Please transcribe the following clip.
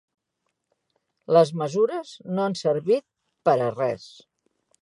Les mesures no han servit per a res.